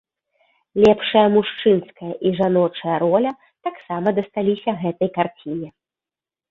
Лепшая мужчынская і жаночая роля таксама дасталіся гэтай карціне.